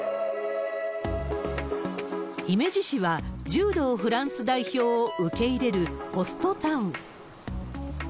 姫路市は、柔道フランス代表を受け入れるホストタウン。